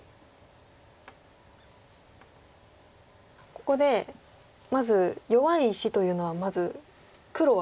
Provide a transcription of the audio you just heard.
ここでまず弱い石というのはまず黒はどうですか？